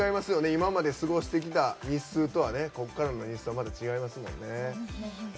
今まで過ごしてきた日数とは、ここからの日数はまた違いますよね。